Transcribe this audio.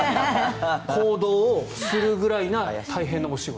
行動をするぐらいな大変なお仕事。